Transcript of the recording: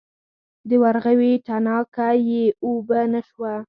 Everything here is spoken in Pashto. د ورغوي تڼاکه یې اوبه نه شوه.